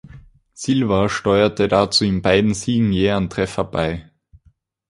Silva steuerte dazu in beiden Siegen je einen Treffer bei.